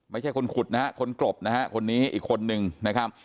ไม่ใช่คนขุดนะฮะคนกลบนะฮะคนนี้อีกคนนึงนะครับ